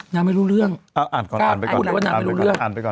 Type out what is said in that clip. นางไม่รู้เรื่องอ่ะอ่านก่อนอ่านไปก่อนอ่านไปก่อน